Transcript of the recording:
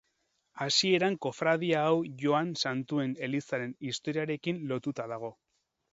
Hasieran kofradia hau Joan Santuen elizaren historiarekin lotuta dago.